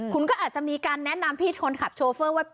คุณก็อาจจะมีการแนะนำพี่คนขับโชเฟอร์ว่า